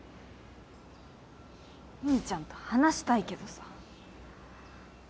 兄ちゃんと話したいけどさ。